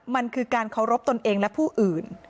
มันคือการเคารพตนเองและผู้อื่น